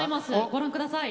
ご覧ください。